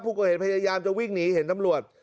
ผู้ก่อเหตุพยายามจะวิ่งหนีเห็นตำรวจ